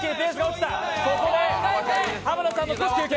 ここで濱田さん、少し休憩。